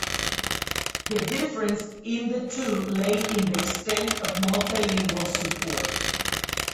The difference in the two lay in the extent of multilingual support.